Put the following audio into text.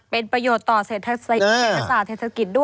เป็นประโยชน์ต่อเศรษฐศาสตร์เศรษฐกิจด้วย